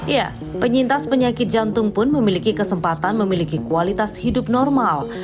ya penyintas penyakit jantung pun memiliki kesempatan memiliki kualitas hidup normal